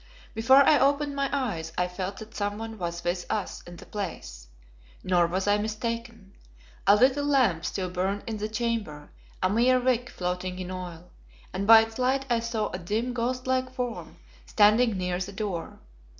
Before I opened my eyes I felt that some one was with us in the place. Nor was I mistaken. A little lamp still burned in the chamber, a mere wick floating in oil, and by its light I saw a dim, ghost like form standing near the door.